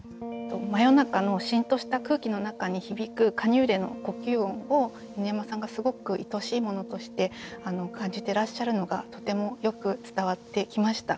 真夜中のシンとした空気の中に響くカニューレの呼吸音を犬山さんがすごくいとしいものとして感じてらっしゃるのがとてもよく伝わってきました。